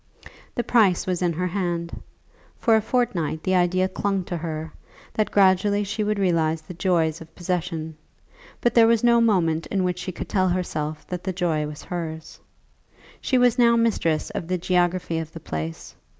The price was in her hand. For a fortnight the idea clung to her, that gradually she would realize the joys of possession; but there was no moment in which she could tell herself that the joy was hers. She was now mistress of the geography of the place.